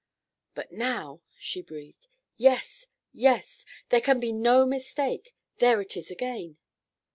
"But now," she breathed. "Yes! Yes! There can be no mistake. There it is again."